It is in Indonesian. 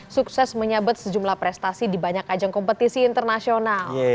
sukses menyabet sejumlah prestasi di banyak ajang kompetisi internasional